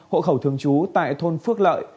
hộ khẩu thương chú tại thôn phước lợi